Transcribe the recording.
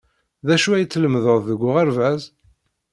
D acu ay tlemmded deg uɣerbaz?